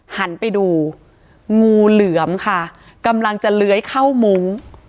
หันไปดูงูเหลือมค่ะกำลังจะเลื้อยเข้ามุ้ง